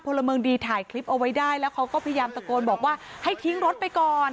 พลเมืองดีถ่ายคลิปเอาไว้ได้แล้วเขาก็พยายามตะโกนบอกว่าให้ทิ้งรถไปก่อน